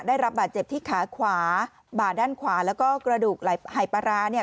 ได้รับบาดเจ็บที่ขาขวาบ่าด้านขวาแล้วก็กระดูกหายปลาร้าเนี่ย